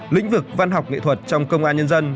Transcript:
lĩnh vực văn học nghệ thuật trong công an nhân dân